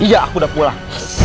iya aku udah pulang